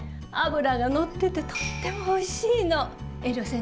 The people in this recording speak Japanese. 脂が乗っててとってもおいしいの。